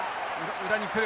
裏に来る。